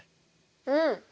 うん。